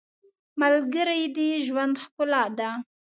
• ملګری د ژوند ښکلا ده.